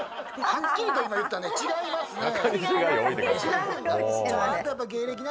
はっきりと今言ったね違いますね。